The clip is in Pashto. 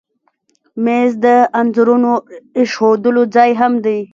مېز د انځورونو ایښودلو ځای هم دی.